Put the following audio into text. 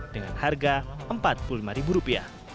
dengan harga rp empat puluh lima